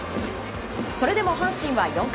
それでも阪神は４回。